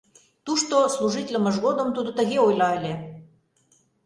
Тушто служитлымыж годым тудо тыге ойла ыле: